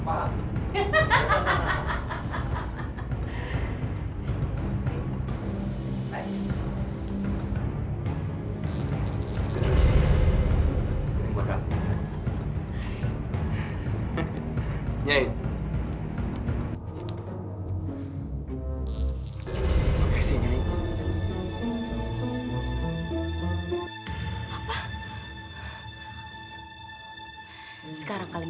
apa yangesterday ber corresponden gempa doang